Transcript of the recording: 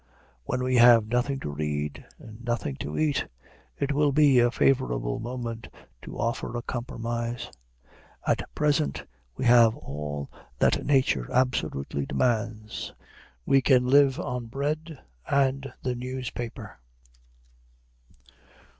When we have nothing to read and nothing to eat, it will be a favorable moment to offer a compromise. At present we have all that nature absolutely demands, we can live on bread and the newspaper.